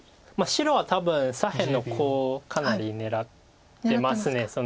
白は多分左辺のコウをかなり狙ってます。